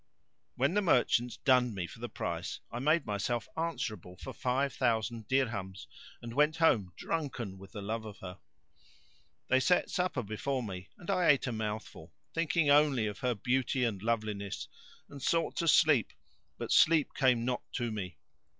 When the merchants dunned me for the price, I made myself answerable for five thousand dirhams and went home, drunken with the love of her. They set supper before me and I ate a mouthful, thinking only of her beauty and loveliness, and sought to sleep, but sleep came not to me.